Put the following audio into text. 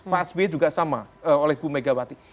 pak sby juga sama oleh bu megawati